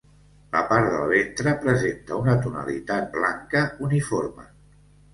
La part del ventre presenta una tonalitat blanca uniforme.